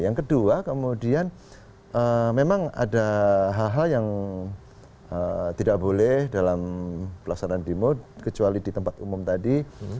yang kedua kemudian memang ada hal hal yang tidak boleh dalam pelaksanaan demo kecuali di tempat umum tadi